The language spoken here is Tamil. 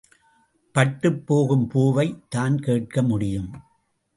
பட்டுப்போகும் பூவைத் தான் கேட்க முடியும்.